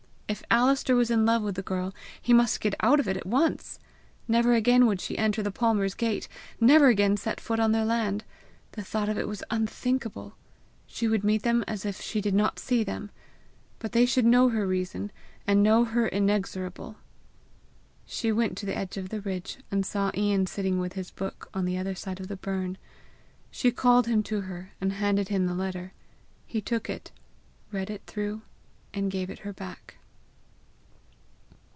If Alister was in love with the girl, he must get out of it at once! Never again would she enter the Palmers' gate, never again set foot on their land! The thought of it was unthinkable! She would meet them as if she did not see them! But they should know her reason and know her inexorable! She went to the edge of the ridge, and saw Ian sitting with his book on the other side of the burn. She called him to her, and handed him the letter. He took it, read it through, and gave it her back.